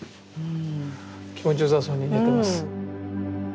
気持ちよさそうに寝てます。